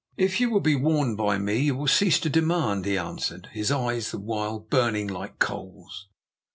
"'If you will be warned by me you will cease to demand,' he answered, his eyes the while burning like coals.